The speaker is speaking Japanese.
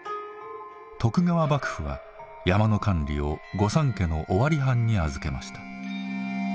徳川幕府は山の管理を御三家の尾張藩に預けました。